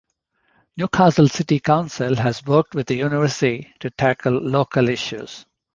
Newcastle City Council has worked with the university to tackle local issues.